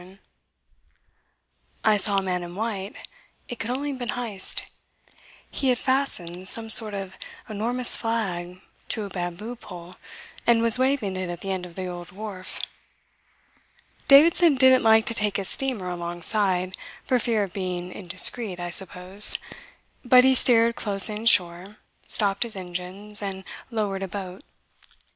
I saw a man in white. It could only have been Heyst. He had fastened some sort of enormous flag to a bamboo pole, and was waving it at the end of the old wharf. Davidson didn't like to take his steamer alongside for fear of being indiscreet, I suppose; but he steered close inshore, stopped his engines, and lowered a boat.